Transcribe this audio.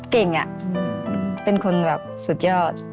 เก่งอะเป็นคนแบบสุดยอด